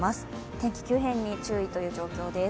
天気急変に注意という状況です。